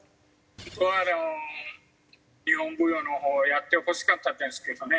僕はでも日本舞踊のほうをやってほしかったんですけどね。